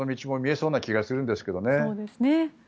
そうですね。